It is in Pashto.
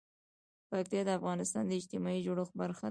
پکتیکا د افغانستان د اجتماعي جوړښت برخه ده.